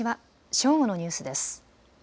正午のニュースです。